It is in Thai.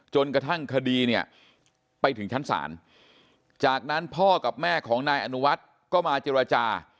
จนกระทั่งคดีเนี่ยไปถึงชั้นศาลจากนั้นพ่อกับแม่ของนายอนุวัฒน์ก็มาเจรจา